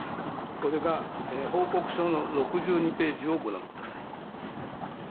これが報告書の６２ページをご覧ください。